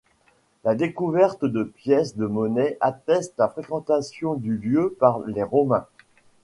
La découverte de pièces de monnaie atteste la fréquentation du lieu par les Romains.